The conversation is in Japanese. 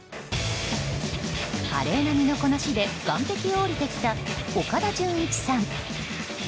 華麗な身のこなしで岸壁を下りてきた岡田准一さん。